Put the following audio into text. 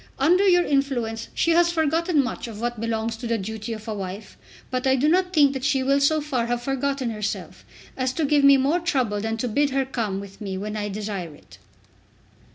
Under your influence she has forgotten much of what belongs to the duty of a wife, but I do not think that she will so far have forgotten herself as to give me more trouble than to bid her come with me when I desire it."